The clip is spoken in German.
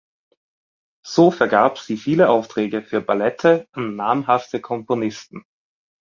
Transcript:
So vergab sie viele Aufträge für Ballette an namhafte Komponisten.